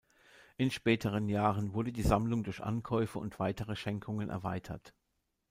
In späteren Jahren wurde die Sammlung durch Ankäufe und weitere Schenkungen erweitert.